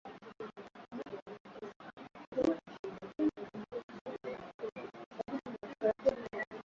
aribu msikilizaji na wakati huu tuanzie nchini japan